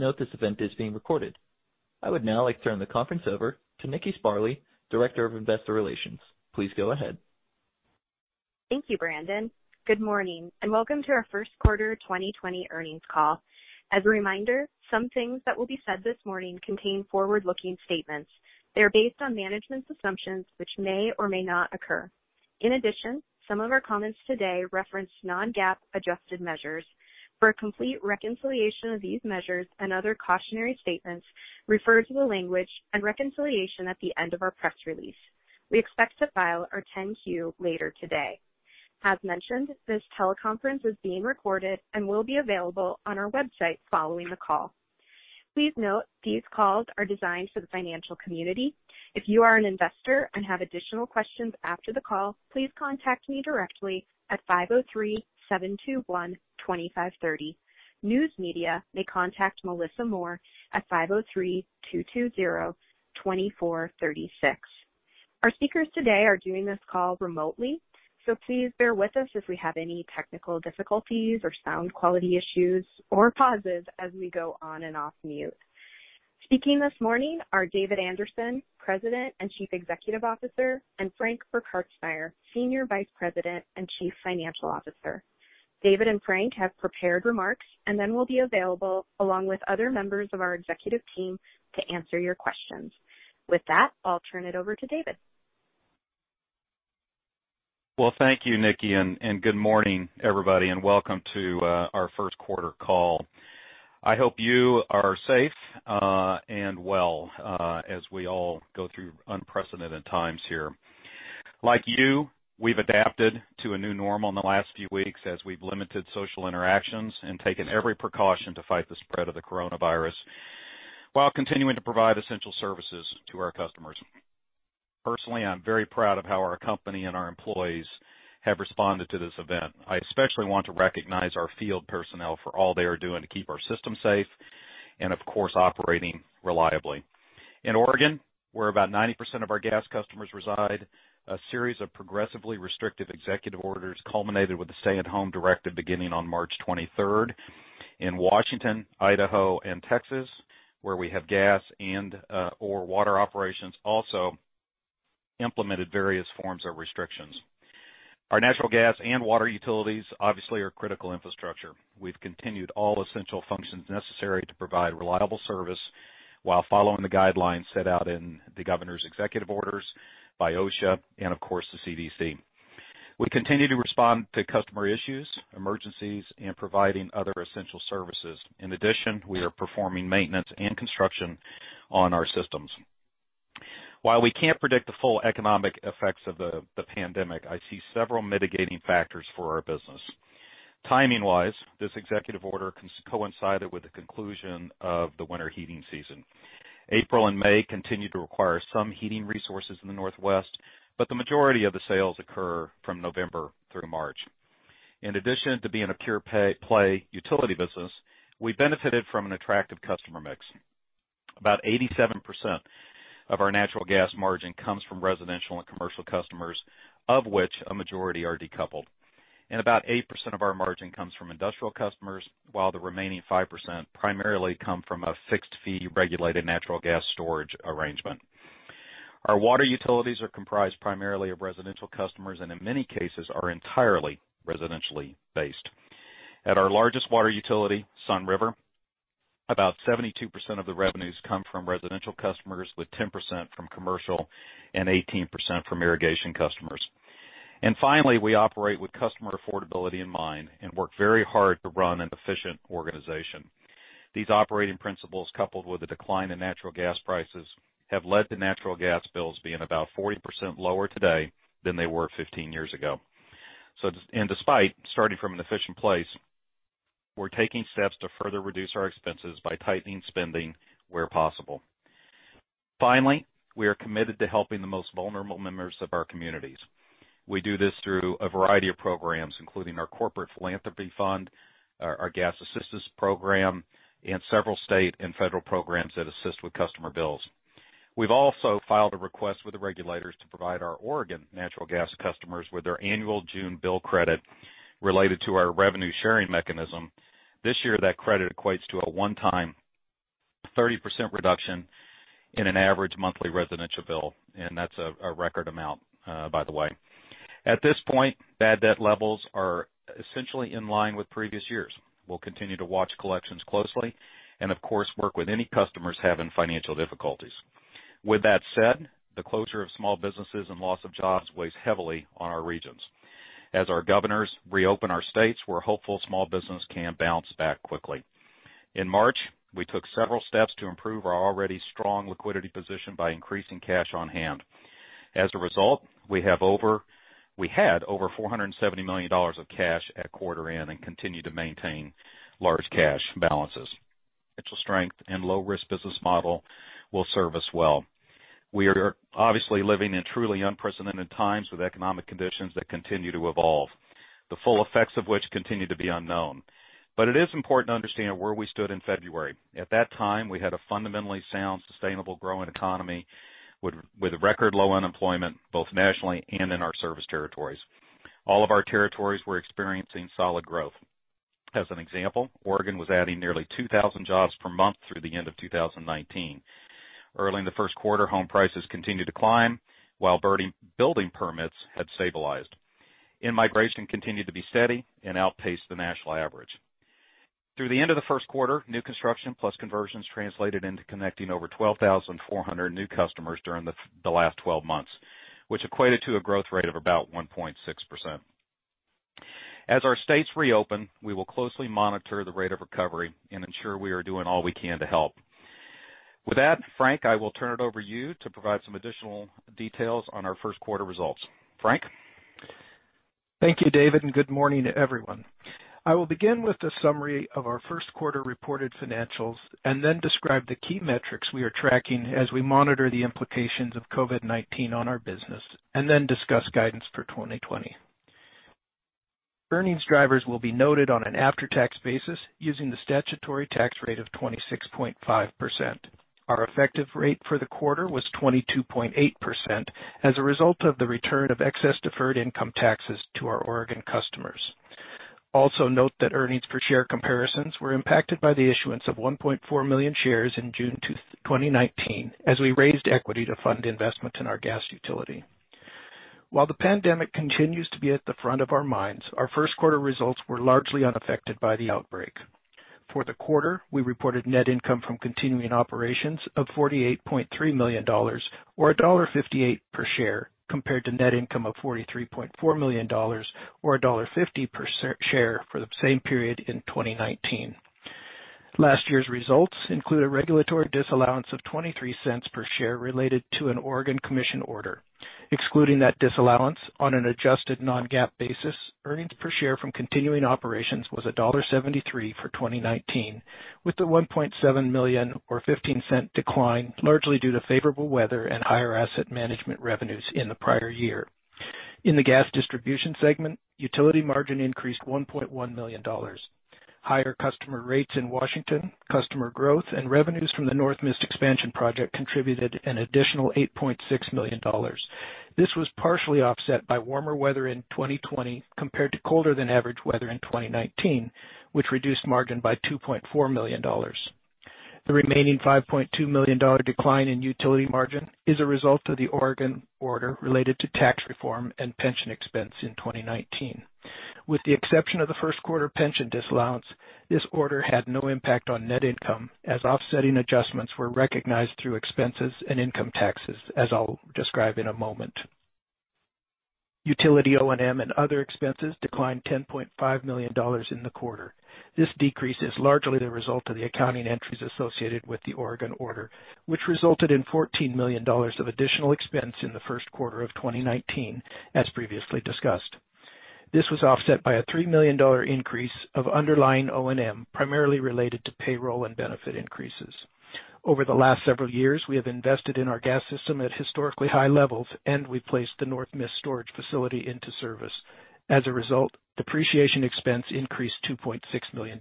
Note this event is being recorded. I would now like to turn the conference over to Nikki Sparley, Director of Investor Relations. Please go ahead. Thank you, Brandon. Good morning and welcome to our first quarter 2020 earnings call. As a reminder, some things that will be said this morning contain forward-looking statements. They are based on management's assumptions, which may or may not occur. In addition, some of our comments today reference non-GAAP adjusted measures. For a complete reconciliation of these measures and other cautionary statements, refer to the language and reconciliation at the end of our press release. We expect to file our 10-Q later today. As mentioned, this teleconference is being recorded and will be available on our website following the call. Please note these calls are designed for the financial community. If you are an investor and have additional questions after the call, please contact me directly at 503-721-2530. News media may contact Melissa Moore at 503-220-2436. Our speakers today are doing this call remotely, so please bear with us if we have any technical difficulties or sound quality issues or pauses as we go on and off mute. Speaking this morning are David Anderson, President and Chief Executive Officer, and Frank Burkhartsmeyer, Senior Vice President and Chief Financial Officer. David and Frank have prepared remarks and then will be available along with other members of our executive team to answer your questions. With that, I'll turn it over to David. Thank you, Nikki, and good morning, everybody, and welcome to our first quarter call. I hope you are safe and well as we all go through unprecedented times here. Like you, we have adapted to a new normal in the last few weeks as we have limited social interactions and taken every precaution to fight the spread of the coronavirus while continuing to provide essential services to our customers. Personally, I am very proud of how our company and our employees have responded to this event. I especially want to recognize our field personnel for all they are doing to keep our system safe and, of course, operating reliably. In Oregon, where about 90% of our gas customers reside, a series of progressively restrictive executive orders culminated with the stay-at-home directive beginning on March 23rd. In Washington, Idaho, and Texas, where we have gas and/or water operations, also implemented various forms of restrictions. Our natural gas and water utilities obviously are critical infrastructure. We have continued all essential functions necessary to provide reliable service while following the guidelines set out in the Governor's executive orders by OSHA and, of course, the CDC. We continue to respond to customer issues, emergencies, and providing other essential services. In addition, we are performing maintenance and construction on our systems. While we cannot predict the full economic effects of the pandemic, I see several mitigating factors for our business. Timing-wise, this executive order coincided with the conclusion of the winter heating season. April and May continue to require some heating resources in the Northwest, but the majority of the sales occur from November through March. In addition to being a pure-play utility business, we benefited from an attractive customer mix. About 87% of our natural gas margin comes from residential and commercial customers, of which a majority are decoupled. About 8% of our margin comes from industrial customers, while the remaining 5% primarily come from a fixed-fee regulated natural gas storage arrangement. Our water utilities are comprised primarily of residential customers and, in many cases, are entirely residentially based. At our largest water utility, Sunriver, about 72% of the revenues come from residential customers, with 10% from commercial and 18% from irrigation customers. Finally, we operate with customer affordability in mind and work very hard to run an efficient organization. These operating principles, coupled with a decline in natural gas prices, have led to natural gas bills being about 40% lower today than they were 15 years ago. Despite starting from an efficient place, we're taking steps to further reduce our expenses by tightening spending where possible. Finally, we are committed to helping the most vulnerable members of our communities. We do this through a variety of programs, including our Corporate Philanthropy Fund, our Gas Assistance Program, and several state and federal programs that assist with customer bills. We've also filed a request with the regulators to provide our Oregon natural gas customers with their annual June bill credit related to our revenue sharing mechanism. This year, that credit equates to a one-time 30% reduction in an average monthly residential bill, and that's a record amount, by the way. At this point, bad debt levels are essentially in line with previous years. We'll continue to watch collections closely and, of course, work with any customers having financial difficulties. With that said, the closure of small businesses and loss of jobs weighs heavily on our regions. As our governors reopen our states, we're hopeful small businesses can bounce back quickly. In March, we took several steps to improve our already strong liquidity position by increasing cash on hand. As a result, we had over $470 million of cash at quarter end and continue to maintain large cash balances. Strength and low-risk business model will serve us well. We are obviously living in truly unprecedented times with economic conditions that continue to evolve, the full effects of which continue to be unknown. It is important to understand where we stood in February. At that time, we had a fundamentally sound, sustainable, growing economy with record low unemployment both nationally and in our service territories. All of our territories were experiencing solid growth. As an example, Oregon was adding nearly 2,000 jobs per month through the end of 2019. Early in the first quarter, home prices continued to climb while building permits had stabilized. Immigration continued to be steady and outpaced the national average. Through the end of the first quarter, new construction plus conversions translated into connecting over 12,400 new customers during the last 12 months, which equated to a growth rate of about 1.6%. As our states reopen, we will closely monitor the rate of recovery and ensure we are doing all we can to help. With that, Frank, I will turn it over to you to provide some additional details on our first quarter results. Frank? Thank you, David, and good morning to everyone. I will begin with a summary of our first quarter reported financials and then describe the key metrics we are tracking as we monitor the implications of COVID-19 on our business and then discuss guidance for 2020. Earnings drivers will be noted on an after-tax basis using the statutory tax rate of 26.5%. Our effective rate for the quarter was 22.8% as a result of the return of excess deferred income taxes to our Oregon customers. Also note that earnings per share comparisons were impacted by the issuance of 1.4 million shares in June 2019 as we raised equity to fund investments in our gas utility. While the pandemic continues to be at the front of our minds, our first quarter results were largely unaffected by the outbreak. For the quarter, we reported net income from continuing operations of $48.3 million or $1.58 per share compared to net income of $43.4 million or $1.50 per share for the same period in 2019. Last year's results include a regulatory disallowance of $0.23 per share related to an Oregon commission order. Excluding that disallowance on an adjusted non-GAAP basis, earnings per share from continuing operations was $1.73 for 2019, with the $1.7 million or $0.15 decline largely due to favorable weather and higher asset management revenues in the prior year. In the gas distribution segment, utility margin increased $1.1 million. Higher customer rates in Washington, customer growth, and revenues from the North Mist expansion project contributed an additional $8.6 million. This was partially offset by warmer weather in 2020 compared to colder-than-average weather in 2019, which reduced margin by $2.4 million. The remaining $5.2 million decline in utility margin is a result of the Oregon order related to tax reform and pension expense in 2019. With the exception of the first quarter pension disallowance, this order had no impact on net income as offsetting adjustments were recognized through expenses and income taxes as I'll describe in a moment. Utility O&M and other expenses declined $10.5 million in the quarter. This decrease is largely the result of the accounting entries associated with the Oregon order, which resulted in $14 million of additional expense in the first quarter of 2019, as previously discussed. This was offset by a $3 million increase of underlying O&M, primarily related to payroll and benefit increases. Over the last several years, we have invested in our gas system at historically high levels, and we've placed the North Mist storage facility into service. As a result, depreciation expense increased $2.6 million.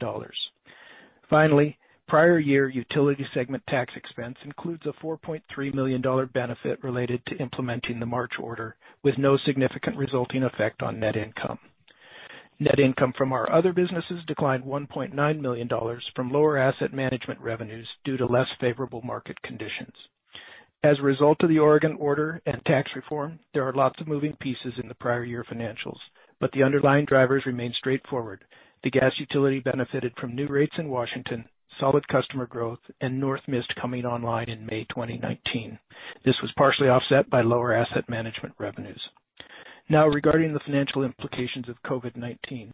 Finally, prior year utility segment tax expense includes a $4.3 million benefit related to implementing the March order, with no significant resulting effect on net income. Net income from our other businesses declined $1.9 million from lower asset management revenues due to less favorable market conditions. As a result of the Oregon order and tax reform, there are lots of moving pieces in the prior year financials, but the underlying drivers remain straightforward. The gas utility benefited from new rates in Washington, solid customer growth, and North Mist coming online in May 2019. This was partially offset by lower asset management revenues. Now, regarding the financial implications of COVID-19,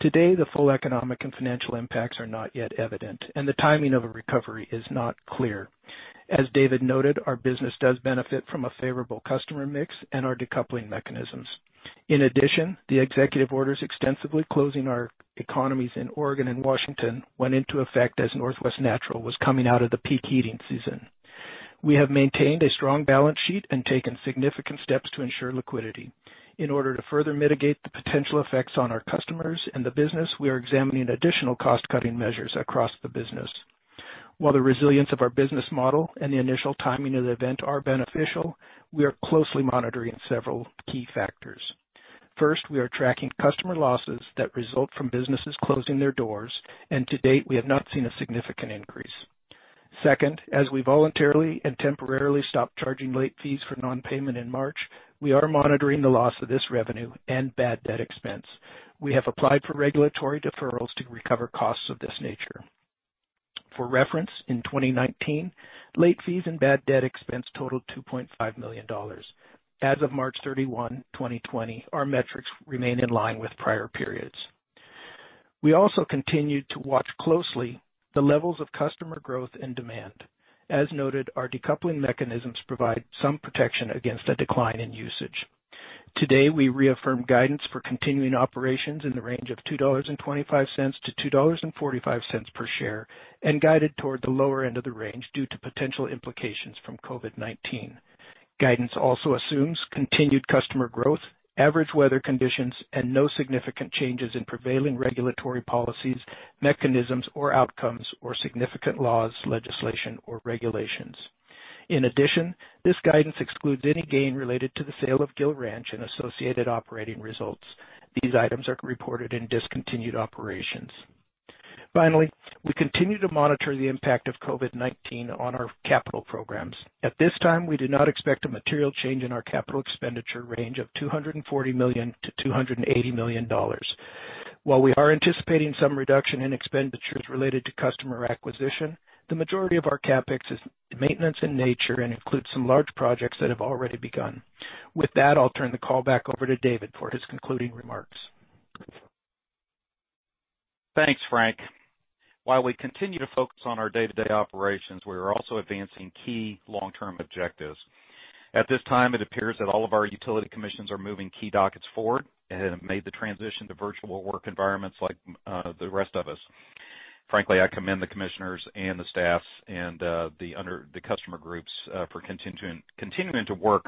today the full economic and financial impacts are not yet evident, and the timing of a recovery is not clear. As David noted, our business does benefit from a favorable customer mix and our decoupling mechanisms. In addition, the executive orders extensively closing our economies in Oregon and Washington went into effect as Northwest Natural was coming out of the peak heating season. We have maintained a strong balance sheet and taken significant steps to ensure liquidity. In order to further mitigate the potential effects on our customers and the business, we are examining additional cost-cutting measures across the business. While the resilience of our business model and the initial timing of the event are beneficial, we are closely monitoring several key factors. First, we are tracking customer losses that result from businesses closing their doors, and to date, we have not seen a significant increase. Second, as we voluntarily and temporarily stopped charging late fees for non-payment in March, we are monitoring the loss of this revenue and bad debt expense. We have applied for regulatory deferrals to recover costs of this nature. For reference, in 2019, late fees and bad debt expense totaled $2.5 million. As of March 31, 2020, our metrics remain in line with prior periods. We also continue to watch closely the levels of customer growth and demand. As noted, our decoupling mechanisms provide some protection against a decline in usage. Today, we reaffirm guidance for continuing operations in the range of $2.25-$2.45 per share and guided toward the lower end of the range due to potential implications from COVID-19. Guidance also assumes continued customer growth, average weather conditions, and no significant changes in prevailing regulatory policies, mechanisms, or outcomes, or significant laws, legislation, or regulations. In addition, this guidance excludes any gain related to the sale of Gill Ranch and associated operating results. These items are reported in discontinued operations. Finally, we continue to monitor the impact of COVID-19 on our capital programs. At this time, we do not expect a material change in our capital expenditure range of $240 million-$280 million. While we are anticipating some reduction in expenditures related to customer acquisition, the majority of our CapEx is maintenance in nature and includes some large projects that have already begun. With that, I'll turn the call back over to David for his concluding remarks. Thanks, Frank. While we continue to focus on our day-to-day operations, we are also advancing key long-term objectives. At this time, it appears that all of our utility commissions are moving key dockets forward and have made the transition to virtual work environments like the rest of us. Frankly, I commend the commissioners and the staffs and the customer groups for continuing to work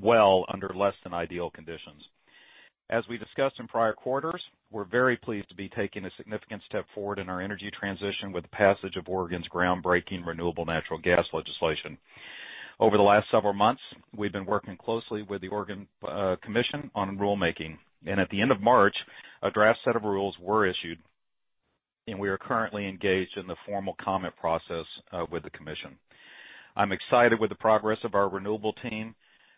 well under less than ideal conditions. As we discussed in prior quarters, we're very pleased to be taking a significant step forward in our energy transition with the passage of Oregon's groundbreaking renewable natural gas legislation. Over the last several months, we've been working closely with the Oregon commission on rulemaking, and at the end of March, a draft set of rules were issued, and we are currently engaged in the formal comment process with the commission. I'm excited with the progress our renewable team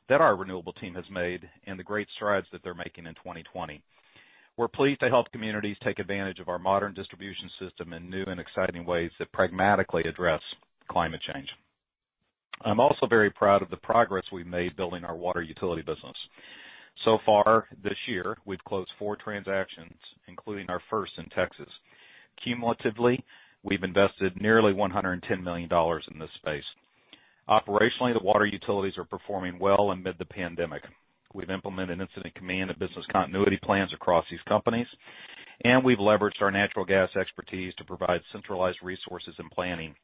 has made and the great strides that they're making in 2020. We're pleased to help communities take advantage of our modern distribution system in new and exciting ways that pragmatically address climate change. I'm also very proud of the progress we've made building our water utility business. So far this year, we've closed four transactions, including our first in Texas. Cumulatively, we've invested nearly $110 million in this space. Operationally, the water utilities are performing well amid the pandemic. We've implemented incident command and business continuity plans across these companies, and we've leveraged our natural gas expertise to provide centralized resources and planning,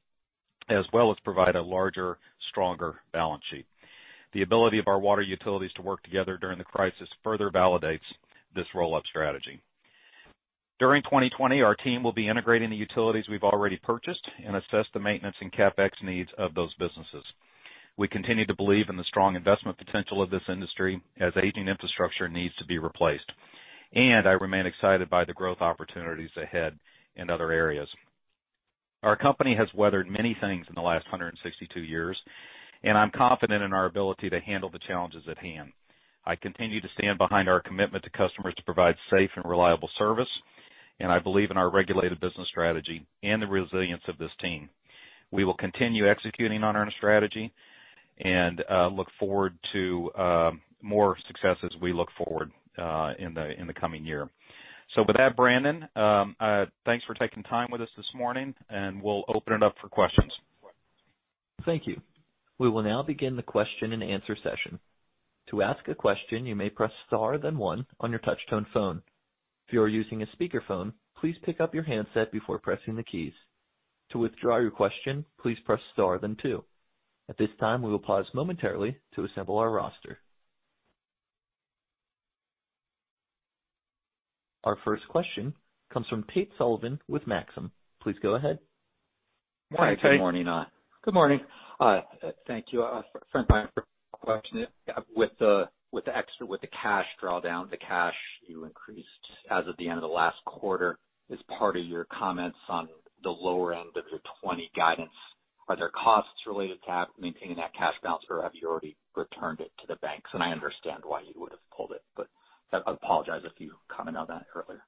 as well as provide a larger, stronger balance sheet. The ability of our water utilities to work together during the crisis further validates this roll-up strategy. During 2020, our team will be integrating the utilities we've already purchased and assess the maintenance and CapEx needs of those businesses. We continue to believe in the strong investment potential of this industry as aging infrastructure needs to be replaced, and I remain excited by the growth opportunities ahead in other areas. Our company has weathered many things in the last 162 years, and I'm confident in our ability to handle the challenges at hand. I continue to stand behind our commitment to customers to provide safe and reliable service, and I believe in our regulated business strategy and the resilience of this team. We will continue executing on our strategy and look forward to more success as we look forward in the coming year. Brandon, thanks for taking time with us this morning, and we'll open it up for questions. Thank you. We will now begin the question and answer session. To ask a question, you may press star then one on your touch-tone phone. If you are using a speakerphone, please pick up your handset before pressing the keys. To withdraw your question, please press star then two. At this time, we will pause momentarily to assemble our roster. Our first question comes from Tate Sullivan with Maxim. Please go ahead. Good morning. Thank you. Frank Burkhartsmeyer, with the cash drawdown, the cash you increased as of the end of the last quarter is part of your comments on the lower end of your 2020 guidance. Are there costs related to maintaining that cash balance, or have you already returned it to the banks? I understand why you would have pulled it, but I apologize if you commented on that earlier.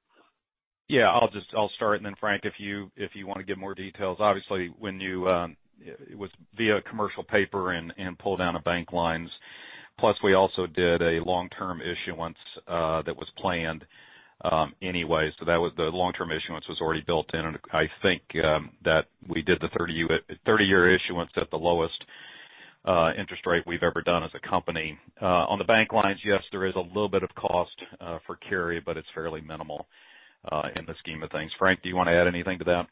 Yeah, I'll start, and then Frank, if you want to give more details. Obviously, it was via commercial paper and pulled down of bank lines. Plus, we also did a long-term issuance that was planned anyway, so the long-term issuance was already built in, and I think that we did the 30-year issuance at the lowest interest rate we've ever done as a company. On the bank lines, yes, there is a little bit of cost for carry, but it's fairly minimal in the scheme of things. Frank, do you want to add anything to that?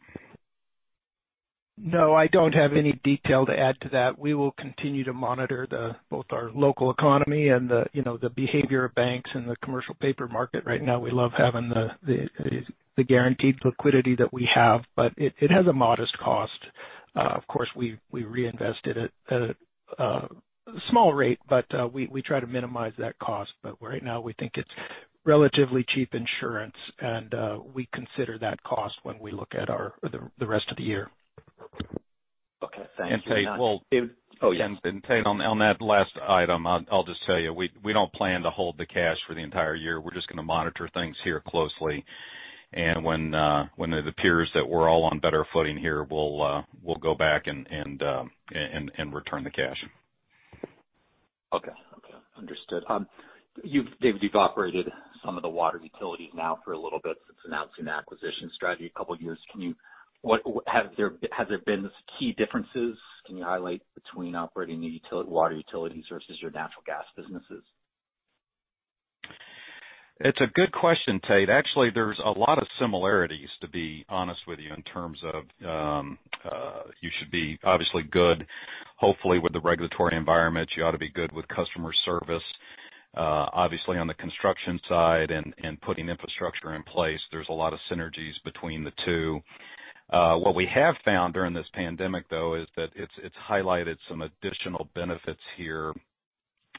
No, I don't have any detail to add to that. We will continue to monitor both our local economy and the behavior of banks and the commercial paper market. Right now, we love having the guaranteed liquidity that we have, but it has a modest cost. Of course, we reinvested at a small rate, but we try to minimize that cost. Right now, we think it's relatively cheap insurance, and we consider that cost when we look at the rest of the year. Tate, on that last item, I'll just tell you, we don't plan to hold the cash for the entire year. We're just going to monitor things here closely, and when it appears that we're all on better footing here, we'll go back and return the cash. Okay. Understood. David, you've operated some of the water utilities now for a little bit since announcing the acquisition strategy a couple of years. Has there been key differences? Can you highlight between operating the water utilities versus your natural gas businesses? It's a good question, Tate. Actually, there's a lot of similarities, to be honest with you, in terms of you should be obviously good, hopefully, with the regulatory environment. You ought to be good with customer service. Obviously, on the construction side and putting infrastructure in place, there's a lot of synergies between the two. What we have found during this pandemic, though, is that it's highlighted some additional benefits here,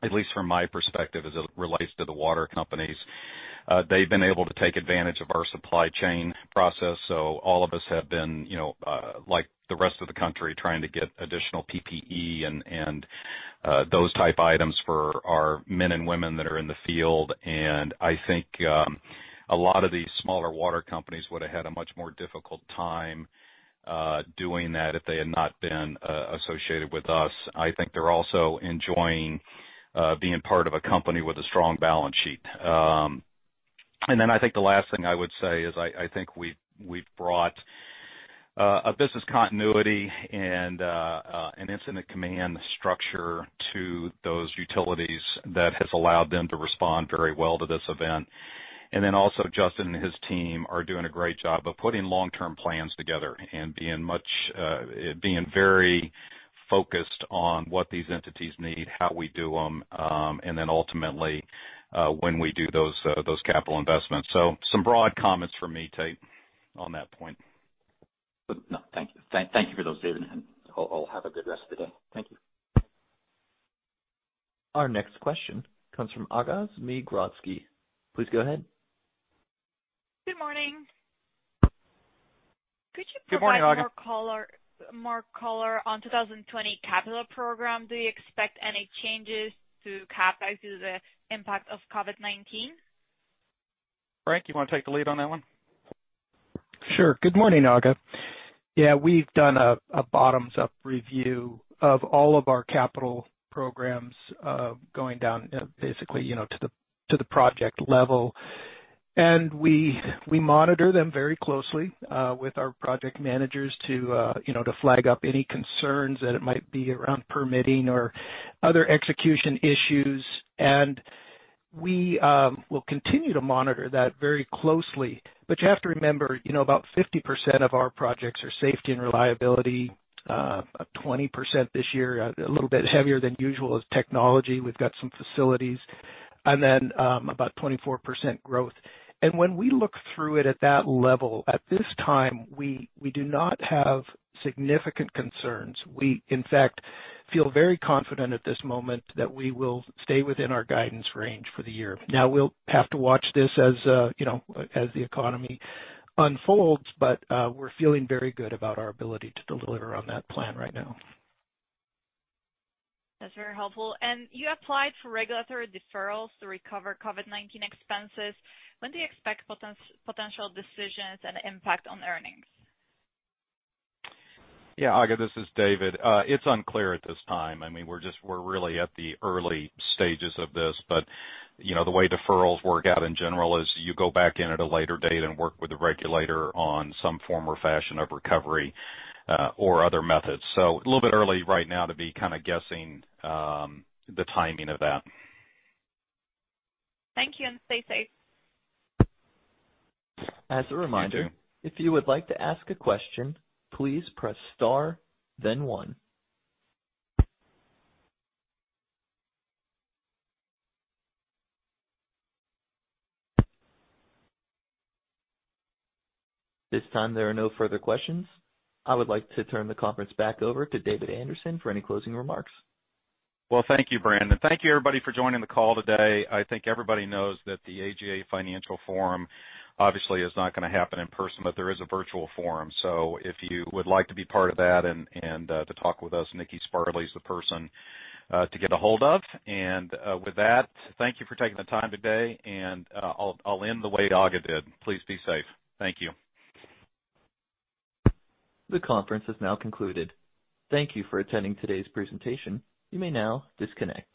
at least from my perspective, as it relates to the water companies. They've been able to take advantage of our supply chain process, so all of us have been, like the rest of the country, trying to get additional PPE and those type items for our men and women that are in the field. I think a lot of these smaller water companies would have had a much more difficult time doing that if they had not been associated with us. I think they're also enjoying being part of a company with a strong balance sheet. I think the last thing I would say is I think we've brought a business continuity and an incident command structure to those utilities that has allowed them to respond very well to this event. I think also, Justin and his team are doing a great job of putting long-term plans together and being very focused on what these entities need, how we do them, and ultimately when we do those capital investments. Some broad comments from me, Tate, on that point. Thank you for those, David, and I'll have a good rest of the day. Thank you. Our next question comes from Agos Migratzki. Please go ahead. Good morning. Good morning, Agos. Could you put on our more color on 2020 Capital Program? Do you expect any changes to CapEx due to the impact of COVID-19? Frank, you want to take the lead on that one? Sure. Good morning, Agos. Yeah, we've done a bottoms-up review of all of our capital programs going down basically to the project level, and we monitor them very closely with our project managers to flag up any concerns that it might be around permitting or other execution issues. We will continue to monitor that very closely. You have to remember, about 50% of our projects are safety and reliability, 20% this year, a little bit heavier than usual, is technology. We've got some facilities, and then about 24% growth. When we look through it at that level, at this time, we do not have significant concerns. We, in fact, feel very confident at this moment that we will stay within our guidance range for the year. Now, we'll have to watch this as the economy unfolds, but we're feeling very good about our ability to deliver on that plan right now. That's very helpful. You applied for regulatory deferrals to recover COVID-19 expenses. When do you expect potential decisions and impact on earnings? Yeah, Agos, this is David. It's unclear at this time. I mean, we're really at the early stages of this, but the way deferrals work out in general is you go back in at a later date and work with the regulator on some form or fashion of recovery or other methods. A little bit early right now to be kind of guessing the timing of that. Thank you and stay safe. As a reminder, if you would like to ask a question, please press star then one. At this time, there are no further questions. I would like to turn the conference back over to David Anderson for any closing remarks. Thank you, Brandon. Thank you, everybody, for joining the call today. I think everybody knows that the AGA Financial Forum obviously is not going to happen in person, but there is a virtual forum. If you would like to be part of that and to talk with us, Nikki Sparley is the person to get a hold of. With that, thank you for taking the time today, and I'll end the way Agos did. Please be safe. Thank you. The conference has now concluded. Thank you for attending today's presentation. You may now disconnect.